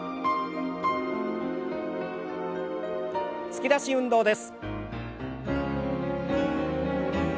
突き出し運動です。